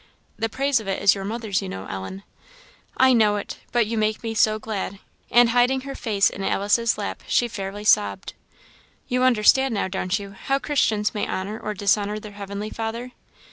"The praise of it is your mother's, you know, Ellen." "I know it but you make me so glad!" And hiding her face in Alice's lap, she fairly sobbed. "You understand now, don't you, how Christians may honour or dishonour their Heavenly Father?"